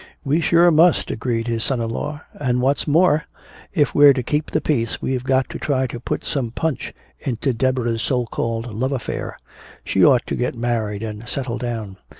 "We sure must," agreed his son in law. "And what's more, if we're to keep the peace, we've got to try to put some punch into Deborah's so called love affair. She ought to get married and settle down."